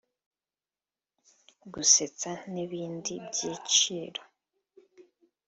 gusetsa n’ibindi byiciro